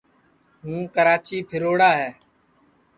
ہُوں کِراچی پھروڑا ہے